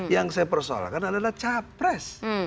yang saya persoalkan adalah capres